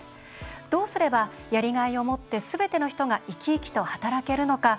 どうすれば、やりがいを持ってすべての人が生き生きと働けるのか。